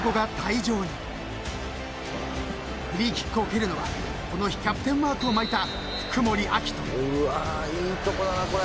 ［フリーキックを蹴るのはこの日キャプテンマークを巻いた］